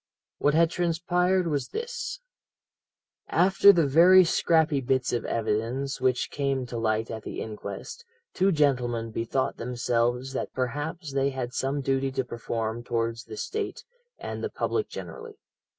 "What had transpired was this: "After the very scrappy bits of evidence which came to light at the inquest, two gentlemen bethought themselves that perhaps they had some duty to perform towards the State and the public generally.